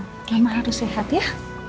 mama harus sehat ya